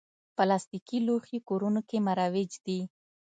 پلاستيکي لوښي کورونو کې مروج دي.